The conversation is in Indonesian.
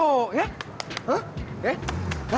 oh ya hah ya